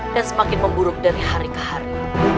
dan semakin memburuk dari hari ke hari